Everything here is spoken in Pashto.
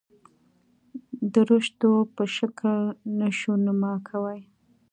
درشتو په شکل نشونما کوي.